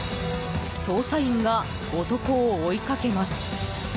捜査員が男を追いかけます。